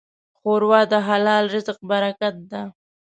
ښوروا د حلال رزق برکت ده.